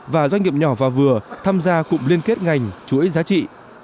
và doanh nghiệp nhỏ và vừa tham gia cụm liên kết ngành chuỗi giá trị